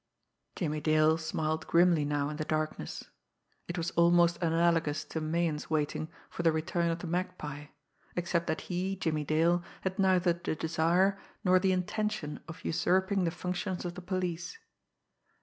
Jimmie Dale smiled grimly now in the darkness. It was almost analogous to Meighan's waiting for the return of the Magpie, except that he, Jimmie Dale, had neither the desire nor the intention of usurping the functions of the police.